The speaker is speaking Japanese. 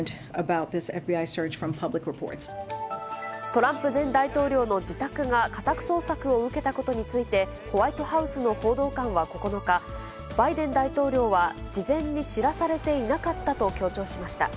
トランプ前大統領の自宅が家宅捜索を受けたことについて、ホワイトハウスの報道官は９日、バイデン大統領は事前に知らされていなかったと強調しました。